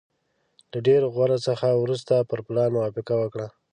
له ډېر غور څخه وروسته پر پلان موافقه وکړه.